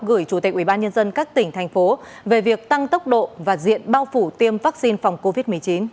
gửi chủ tịch ubnd các tỉnh thành phố về việc tăng tốc độ và diện bao phủ tiêm vaccine phòng covid một mươi chín